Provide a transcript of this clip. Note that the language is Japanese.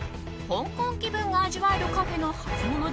香港気分が味わえるカフェのハツモノ